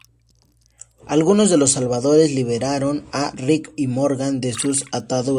Algunos de los salvadores liberaron a Rick y Morgan de sus ataduras.